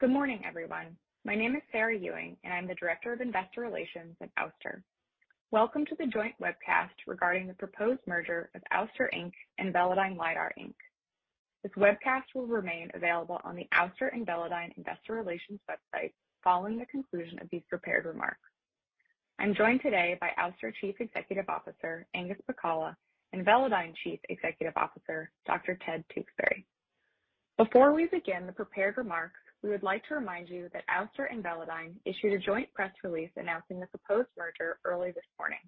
Good morning, everyone. My name is Sarah Ewing, and I'm the Director of Investor Relations at Ouster. Welcome to the joint webcast regarding the proposed merger of Ouster, Inc. and Velodyne Lidar, Inc. This webcast will remain available on the Ouster and Velodyne investor relations website following the conclusion of these prepared remarks. I'm joined today by Ouster Chief Executive Officer Angus Pacala and Velodyne Chief Executive Officer Dr. Ted Tewksbury. Before we begin the prepared remarks, we would like to remind you that Ouster and Velodyne issued a joint press release announcing the proposed merger early this morning.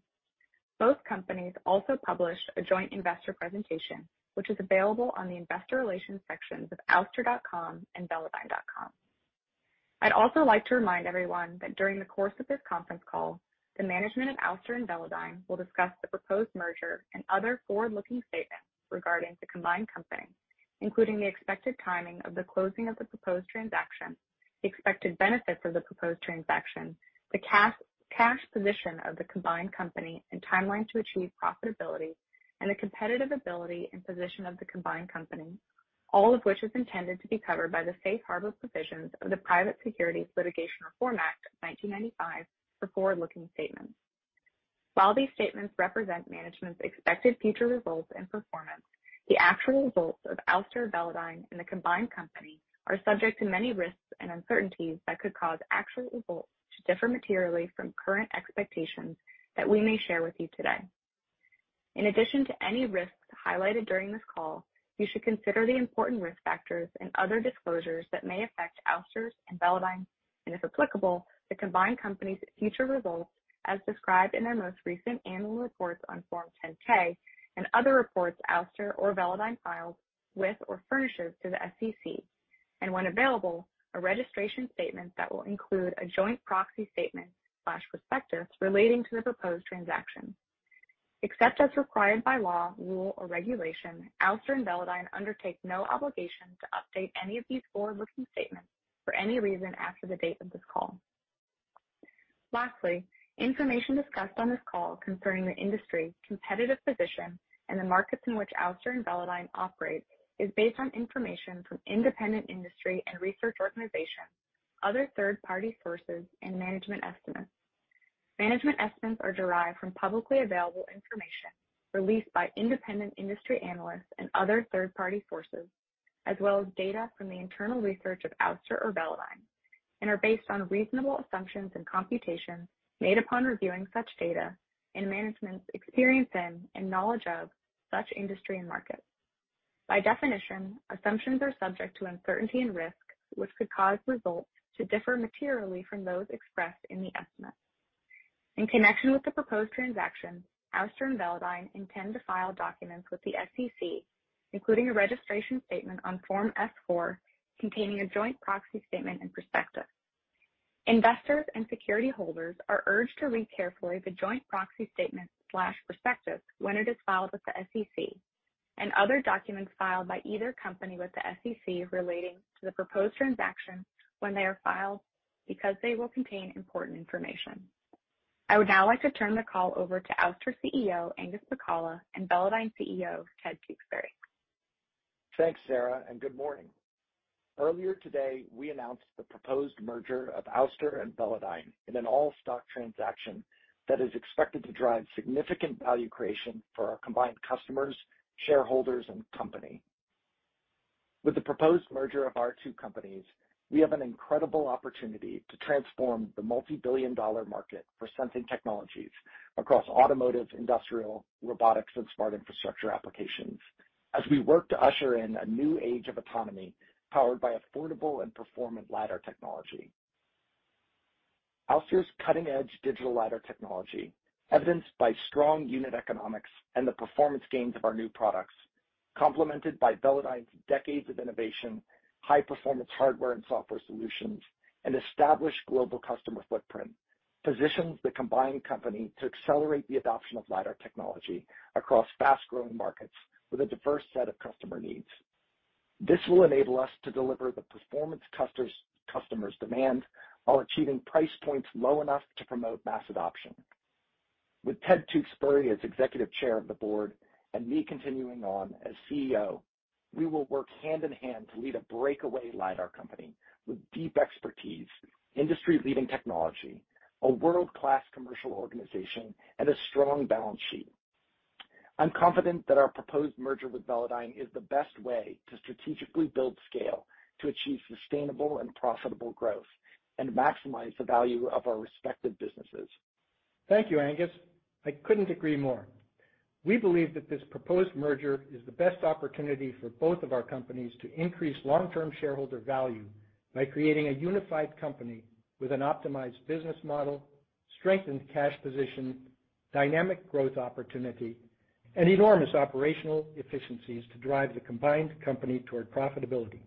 Both companies also published a joint investor presentation, which is available on the investor relations sections of ouster.com and velodyne.com. I'd also like to remind everyone that during the course of this conference call, the management of Ouster and Velodyne will discuss the proposed merger and other forward-looking statements regarding the combined company, including the expected timing of the closing of the proposed transaction, the expected benefits of the proposed transaction, the cash position of the combined company, and timeline to achieve profitability and the competitive ability and position of the combined company, all of which is intended to be covered by the safe harbor provisions of the Private Securities Litigation Reform Act of 1995 for forward-looking statements. While these statements represent management's expected future results and performance, the actual results of Ouster, Velodyne in the combined company are subject to many risks and uncertainties that could cause actual results to differ materially from current expectations that we may share with you today. In addition to any risks highlighted during this call, you should consider the important risk factors and other disclosures that may affect Ouster's and Velodyne's, and if applicable, the combined company's future results as described in their most recent annual reports on Form 10-K and other reports Ouster or Velodyne files with or furnishes to the SEC, and when available, a registration statement that will include a joint proxy statement/prospectus relating to the proposed transaction. Except as required by law, rule, or regulation, Ouster and Velodyne undertake no obligation to update any of these forward-looking statements for any reason after the date of this call. Lastly, information discussed on this call concerning the industry, competitive position, and the markets in which Ouster and Velodyne operate is based on information from independent industry and research organizations, other third-party sources, and management estimates. Management estimates are derived from publicly available information released by independent industry analysts and other third-party sources, as well as data from the internal research of Ouster or Velodyne, and are based on reasonable assumptions and computations made upon reviewing such data and management's experience in and knowledge of such industry and markets. By definition, assumptions are subject to uncertainty and risk, which could cause results to differ materially from those expressed in the estimates. In connection with the proposed transaction, Ouster and Velodyne intend to file documents with the SEC, including a registration statement on Form S-4 containing a joint proxy statement and prospectus. Investors and security holders are urged to read carefully the joint proxy statement/prospectus when it is filed with the SEC and other documents filed by either company with the SEC relating to the proposed transaction when they are filed because they will contain important information. I would now like to turn the call over to Ouster CEO, Angus Pacala, and Velodyne CEO, Ted Tewksbury. Thanks, Sarah, and good morning. Earlier today, we announced the proposed merger of Ouster and Velodyne in an all-stock transaction that is expected to drive significant value creation for our combined customers, shareholders, and company. With the proposed merger of our two companies, we have an incredible opportunity to transform the multi-billion dollar market for sensing technologies across automotive, industrial, robotics, and smart infrastructure applications as we work to usher in a new age of autonomy powered by affordable and performant LiDAR technology. Ouster's cutting-edge digital LiDAR technology, evidenced by strong unit economics and the performance gains of our new products, complemented by Velodyne's decades of innovation, high-performance hardware and software solutions, and established global customer footprint, positions the combined company to accelerate the adoption of LiDAR technology across fast-growing markets with a diverse set of customer needs. This will enable us to deliver the performance customers demand while achieving price points low enough to promote mass adoption. With Ted Tewksbury as executive chair of the board and me continuing on as CEO, we will work hand in hand to lead a breakaway LiDAR company with deep expertise, industry-leading technology, a world-class commercial organization, and a strong balance sheet. I'm confident that our proposed merger with Velodyne is the best way to strategically build scale to achieve sustainable and profitable growth and maximize the value of our respective businesses. Thank you, Angus. I couldn't agree more. We believe that this proposed merger is the best opportunity for both of our companies to increase long-term shareholder value by creating a unified company with an optimized business model, strengthened cash position, dynamic growth opportunity, and enormous operational efficiencies to drive the combined company toward profitability.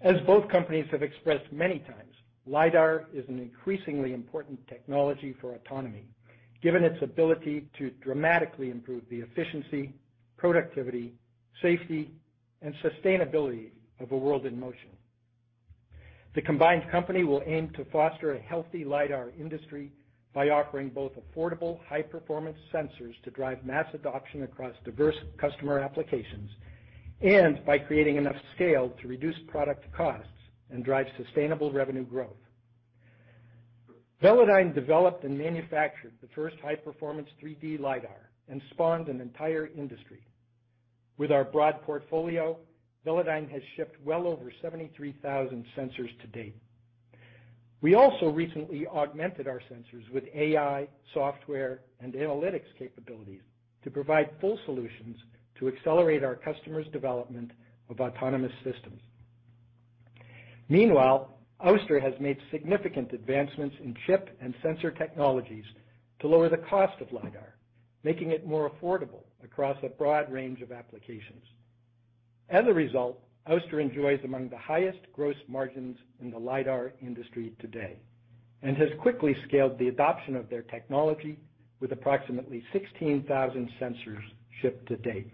As both companies have expressed many times, LiDAR is an increasingly important technology for autonomy, given its ability to dramatically improve the efficiency, productivity, safety, and sustainability of a world in motion. The combined company will aim to foster a healthy LiDAR industry by offering both affordable, high-performance sensors to drive mass adoption across diverse customer applications, and by creating enough scale to reduce product costs and drive sustainable revenue growth. Velodyne developed and manufactured the first high-performance 3D LiDAR and spawned an entire industry. With our broad portfolio, Velodyne has shipped well over 73,000 sensors to date. We also recently augmented our sensors with AI, software, and analytics capabilities to provide full solutions to accelerate our customers' development of autonomous systems. Meanwhile, Ouster has made significant advancements in chip and sensor technologies to lower the cost of LiDAR, making it more affordable across a broad range of applications. As a result, Ouster enjoys among the highest gross margins in the LiDAR industry today and has quickly scaled the adoption of their technology with approximately 16,000 sensors shipped to date.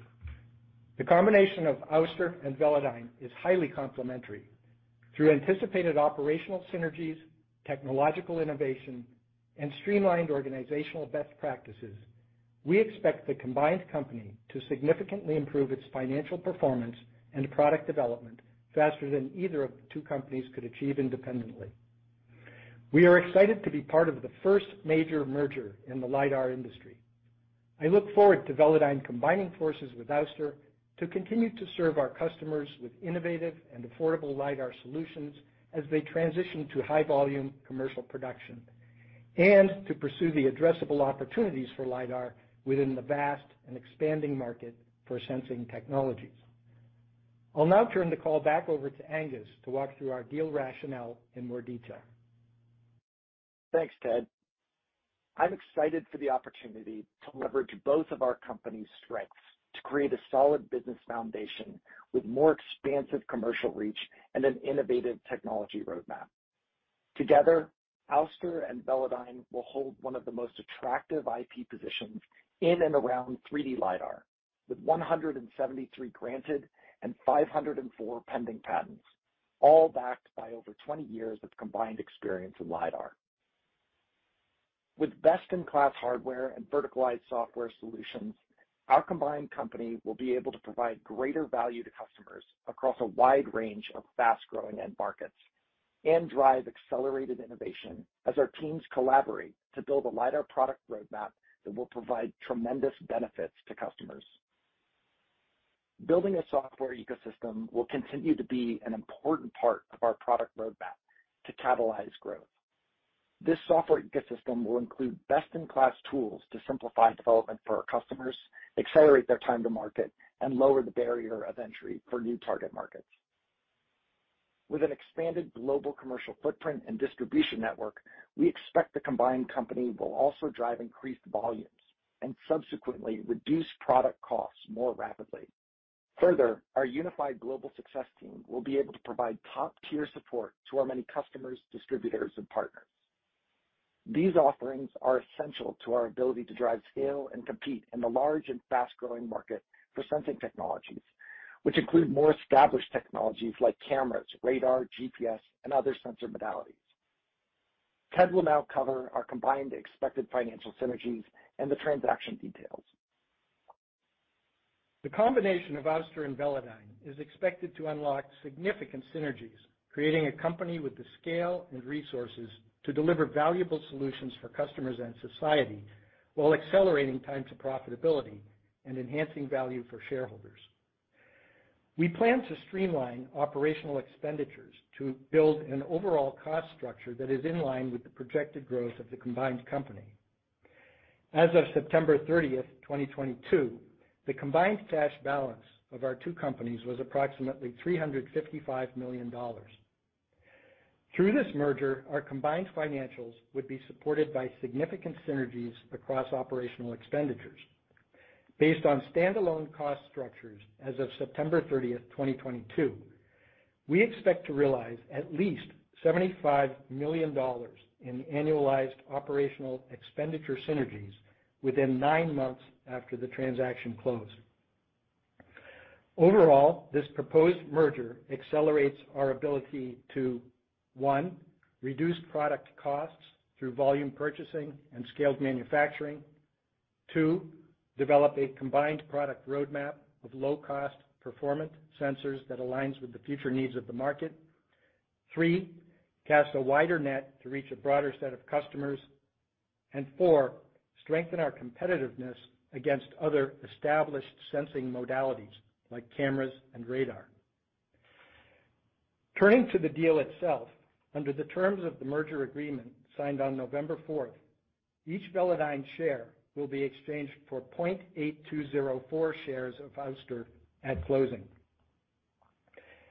The combination of Ouster and Velodyne is highly complementary. Through anticipated operational synergies, technological innovation, and streamlined organizational best practices, we expect the combined company to significantly improve its financial performance and product development faster than either of the two companies could achieve independently. We are excited to be part of the first major merger in the LiDAR industry. I look forward to Velodyne combining forces with Ouster to continue to serve our customers with innovative and affordable LiDAR solutions as they transition to high-volume commercial production and to pursue the addressable opportunities for LiDAR within the vast and expanding market for sensing technologies. I'll now turn the call back over to Angus to walk through our deal rationale in more detail. Thanks, Ted. I'm excited for the opportunity to leverage both of our companies' strengths to create a solid business foundation with more expansive commercial reach and an innovative technology roadmap. Together, Ouster and Velodyne will hold one of the most attractive IP positions in and around 3D LiDAR, with 173 granted and 504 pending patents, all backed by over 20 years of combined experience in LiDAR. With best-in-class hardware and verticalized software solutions, our combined company will be able to provide greater value to customers across a wide range of fast-growing end markets and drive accelerated innovation as our teams collaborate to build a LiDAR product roadmap that will provide tremendous benefits to customers. Building a software ecosystem will continue to be an important part of our product roadmap to catalyze growth. This software ecosystem will include best-in-class tools to simplify development for our customers, accelerate their time to market, and lower the barrier of entry for new target markets. With an expanded global commercial footprint and distribution network, we expect the combined company will also drive increased volumes and subsequently reduce product costs more rapidly. Further, our unified global success team will be able to provide top-tier support to our many customers, distributors, and partners. These offerings are essential to our ability to drive scale and compete in the large and fast-growing market for sensing technologies, which include more established technologies like cameras, radar, GPS, and other sensor modalities. Ted will now cover our combined expected financial synergies and the transaction details. The combination of Ouster and Velodyne is expected to unlock significant synergies, creating a company with the scale and resources to deliver valuable solutions for customers and society while accelerating time to profitability and enhancing value for shareholders. We plan to streamline operational expenditures to build an overall cost structure that is in line with the projected growth of the combined company. As of September 30th, 2022, the combined cash balance of our two companies was approximately $355 million. Through this merger, our combined financials would be supported by significant synergies across operational expenditures. Based on stand-alone cost structures as of September 30th, 2022, we expect to realize at least $75 million in annualized operational expenditure synergies within nine months after the transaction close. Overall, this proposed merger accelerates our ability to one, reduce product costs through volume purchasing and scaled manufacturing. Two, develop a combined product roadmap of low-cost performant sensors that aligns with the future needs of the market. Three, cast a wider net to reach a broader set of customers. Four, strengthen our competitiveness against other established sensing modalities like cameras and radar. Turning to the deal itself, under the terms of the merger agreement signed on November fourth, each Velodyne share will be exchanged for 0.8204 shares of Ouster at closing.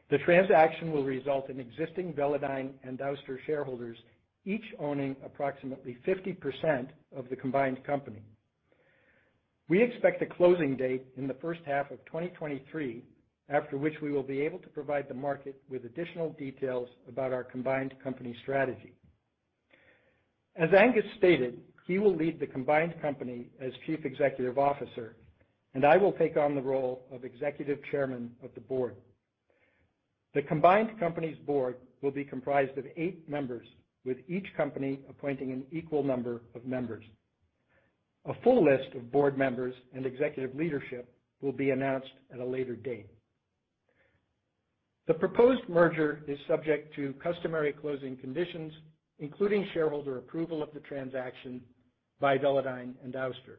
The transaction will result in existing Velodyne and Ouster shareholders each owning approximately 50% of the combined company. We expect a closing date in the first half of 2023, after which we will be able to provide the market with additional details about our combined company strategy. As Angus stated, he will lead the combined company as chief executive officer, and I will take on the role of executive chairman of the board. The combined company's board will be comprised of eight members, with each company appointing an equal number of members. A full list of board members and executive leadership will be announced at a later date. The proposed merger is subject to customary closing conditions, including shareholder approval of the transaction by Velodyne and Ouster.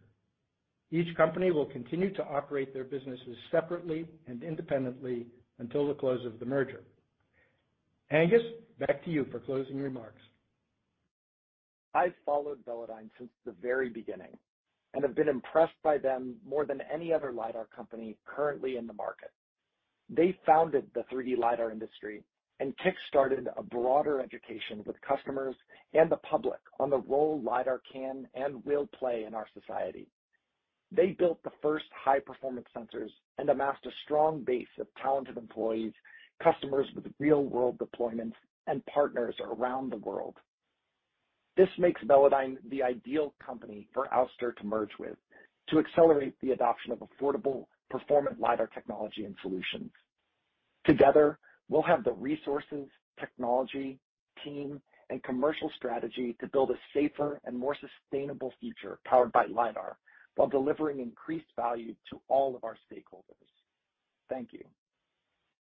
Each company will continue to operate their businesses separately and independently until the close of the merger. Angus, back to you for closing remarks. I've followed Velodyne since the very beginning and have been impressed by them more than any other LiDAR company currently in the market. They founded the 3D LiDAR industry and kickstarted a broader education with customers and the public on the role LiDAR can and will play in our society. They built the first high-performance sensors and amassed a strong base of talented employees, customers with real-world deployments, and partners around the world. This makes Velodyne the ideal company for Ouster to merge with to accelerate the adoption of affordable performant LiDAR technology and solutions. Together, we'll have the resources, technology, team, and commercial strategy to build a safer and more sustainable future powered by LiDAR while delivering increased value to all of our stakeholders. Thank you.